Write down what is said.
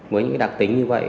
với những đặc tính như vậy